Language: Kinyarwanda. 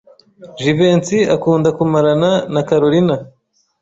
Jivency akunda kumarana na Kalorina.